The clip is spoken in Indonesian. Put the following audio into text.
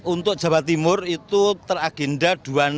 untuk jawa timur itu teragenda dua ribu enam ratus dua puluh tujuh